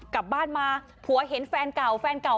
กลับบ้านมาผัวเห็นแฟนเก่า